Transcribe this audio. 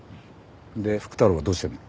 で福太郎はどうしてんの？